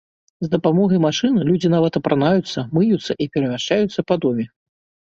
З дапамогай машын людзі нават апранаюцца, мыюцца і перамяшчаюцца па доме.